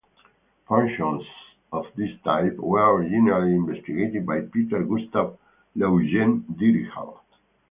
Functions of this type were originally investigated by Peter Gustav Lejeune Dirichlet.